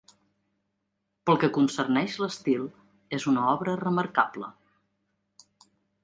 Pel que concerneix l'estil, és una obra remarcable.